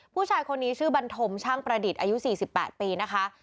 ผู้ชายคนนี้ชื่อบันทมช่างประดิษฐ์อายุ๔๘ปีนะคะ